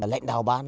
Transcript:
lành đào ban